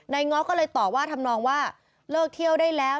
ง้อก็เลยตอบว่าทำนองว่าเลิกเที่ยวได้แล้ว